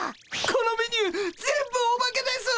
このメニュー全部オバケです！